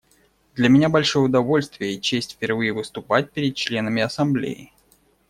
Для меня большое удовольствие и честь впервые выступать перед членами Ассамблеи.